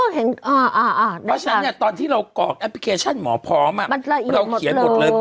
เพราะฉะนั้นเนี่ยตอนที่เรากรอกแอปพลิเคชันหมอพร้อมเราเขียนหมดเลย